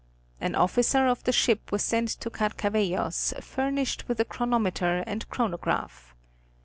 An officer of the ship was sent to Carcavellos, furnished with a chronometer and chronograph.